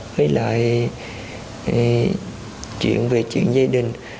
với lại chuyện về chuyện gia đình